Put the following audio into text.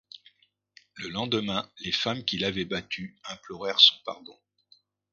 Le lendemain, les femmes qui l'avaient battu implorèrent son pardon.